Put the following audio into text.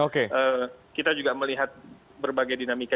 kita juga melihat berbagai dinamika